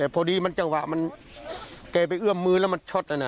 พอดีเขาไปเอื้อมมือแล้วช็อต